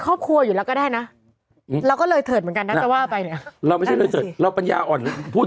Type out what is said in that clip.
คำว่าไม่ที่ชอบกันนอก